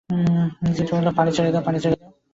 পানি ছেড়ে দাও।